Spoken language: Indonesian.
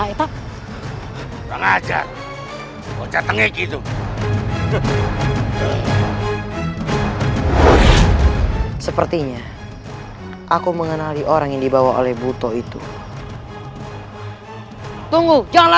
kita harus segera mencari ibunda